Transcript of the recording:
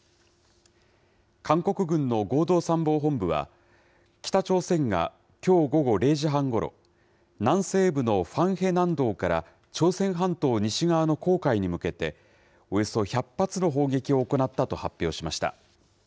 韓国軍の合同参謀本部は、北朝鮮が、きょう午後０時半ごろ、南西部のファンヘ南道から、朝鮮半島西側の黄海に向けて、およそ１００発の砲撃を行ったと発表しました。